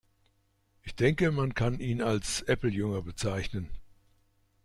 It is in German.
Ich denke, man kann ihn als Apple-Jünger bezeichnen.